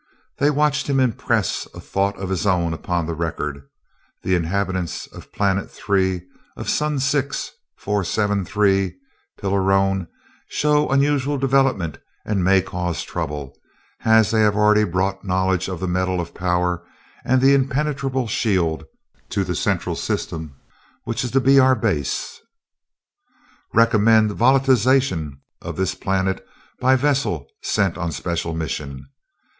They watched him impress a thought of his own upon the record "the inhabitants of planet three of sun six four seven three Pilarone show unusual development and may cause trouble, as they have already brought knowledge of the metal of power and of the impenetrable shield to the Central System, which is to be our base. Recommend volatilization of this planet by vessel sent on special mission."